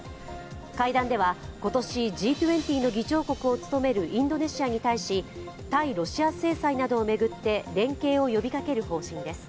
会談では今年Ｇ２０の議長国を務めるインドネシアに対し、対ロシア制裁などを巡って連携を呼びかける方針です。